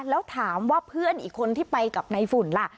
แล้วถามว่าเพื่อนอีกคนที่ไปกับในฝุ่นล่ะ